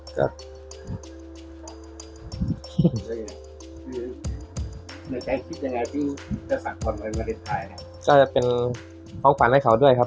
ก็จะเป็นพองฝันให้เขาด้วยครับ